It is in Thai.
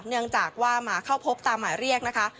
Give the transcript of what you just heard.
เนื่องจากว่ามาเข้าพบตามหมายเรียกนะคะ